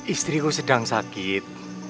istriku sedang sakit